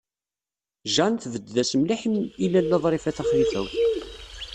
Jane tebded-as mliḥ i Lalla Ḍrifa Taxlifawt.